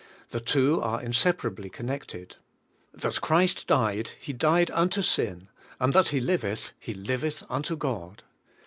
The two are inseparably connected. That 120 DEAD WITH CHRIST Christ died, He died unto sin, and that He liveth, He liveth unto God.